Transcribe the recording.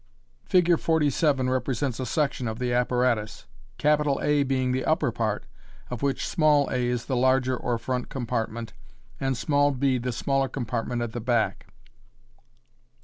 Fig. 47 represents a section of the apparatus, A being the upper part, of which a is the larger or front compart ment, and b the smaller compartment at the back.